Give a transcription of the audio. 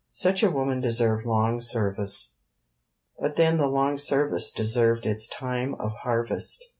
Such a woman deserved long service. But then the long service deserved its time of harvest.